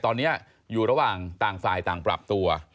ตอนนี้อยู่ระหว่างต่างฝ่ายต่างปรับตัว